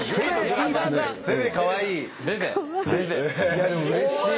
いやでもうれしい。